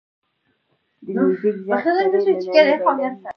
د میوزیک ږغ سړی له نړۍ بېلوي.